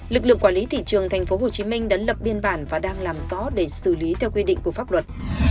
lực lượng quản lý thị trường tp hcm đã lập biên bản và đang làm rõ để xử lý theo quy định của pháp luật